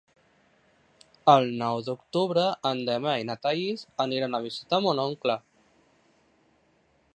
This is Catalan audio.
El nou d'octubre en Damià i na Thaís aniran a visitar mon oncle.